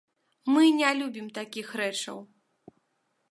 Мы не любім такіх рэчаў.